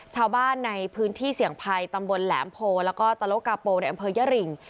ชาวบ้านในพื้นที่เสี่ยงภัยตำบลแหลมโพแล้วก็ตะโลกาโปในอำเภอยริง